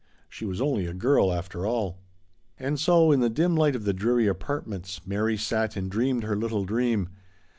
She was only a girl after all. And so, in the dim light of the dreary " apartments," Mary sat and dreamed her little dream.